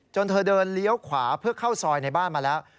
เธอเดินเลี้ยวขวาเพื่อเข้าซอยในบ้านมาแล้ว